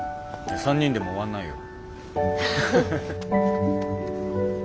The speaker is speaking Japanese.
３人でも終わんないよ。